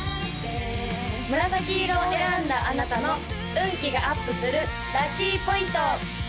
紫色を選んだあなたの運気がアップするラッキーポイント！